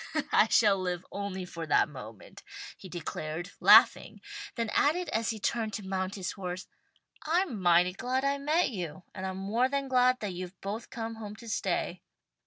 "I shall live only for that moment," he declared, laughing, then added as he turned to mount his horse, "I'm mighty glad I met you, and I'm more than glad that you've both come home to stay."